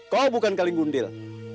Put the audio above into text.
kau bukan kaling gundil